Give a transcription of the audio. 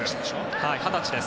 二十歳です。